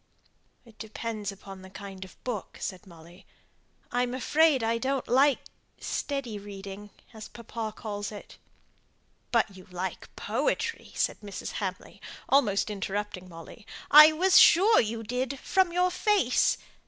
"It depends upon the kind of book," said Molly. "I'm afraid I don't like 'steady reading,' as papa calls it." "But you like poetry!" said Mrs. Hamley, almost interrupting Molly. "I was sure you did, from your face.